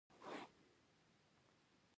زما ټپ ډېر ژور دی